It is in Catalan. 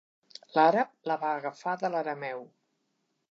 L'àrab la va agafar de l'arameu.